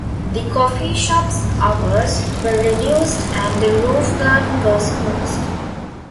The coffee shop's hours were reduced and the Roof Garden was closed.